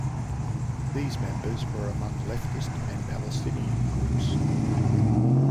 These members were among leftist and Palestinian groups.